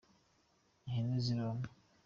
ihene zirona.